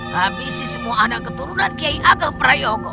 habisi semua anak keturunan kyai agel prayogo